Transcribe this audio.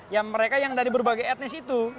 ya mereka yang dari berbagai etnis itu